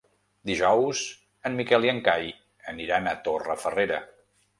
Dijous en Miquel i en Cai aniran a Torrefarrera.